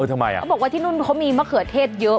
เขาบอกว่าที่นู่นเขามีมะเขือเทศเยอะ